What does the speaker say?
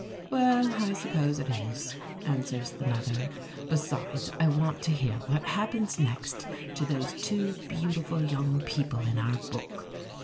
"Well, I suppose it is," answers the mother. "Besides, I want to hear what happens next to those two beautiful young people in our book.